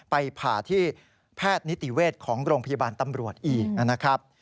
ไปผ่าที่แพทย์นิติเวชของโรงพยาบาลตำรวจอีกนะครับ